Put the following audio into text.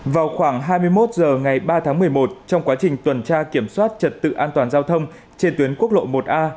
vào khoảng hai mươi một h ngày ba tháng một mươi một trong quá trình tuần tra kiểm soát trật tự an toàn giao thông trên tuyến quốc lộ một a